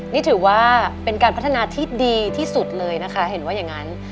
นี่ถือว่าเป็นการพัฒนาที่ดีที่สุดเลยนะคะเห็นว่าอย่างนั้น